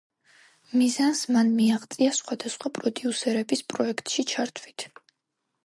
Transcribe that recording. მიზანს მან მიაღწია სხვადასხვა პროდიუსერების პროექტში ჩართვით.